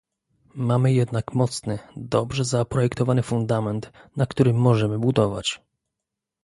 Mamy jednak mocny, dobrze zaprojektowany fundament, na którym możemy budować